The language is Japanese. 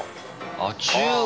あ中国。